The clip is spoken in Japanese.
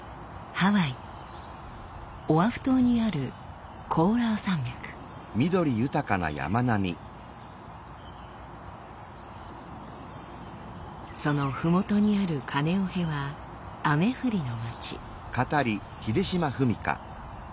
ハワイオアフ島にあるそのふもとにあるカネオヘは雨降りの町。